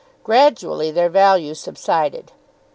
Gradually their value subsided.